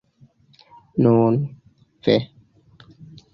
Nun, ve!